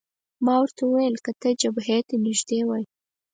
ما ورته وویل: که ته جبهې ته نږدې وای.